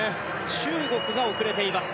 中国が遅れています。